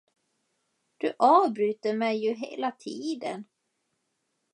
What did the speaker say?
Du avbryter mig ju hela tiden?